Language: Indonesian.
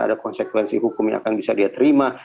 ada konsekuensi hukum yang akan bisa dia terima